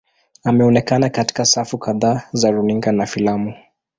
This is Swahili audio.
Ameonekana katika safu kadhaa za runinga na filamu.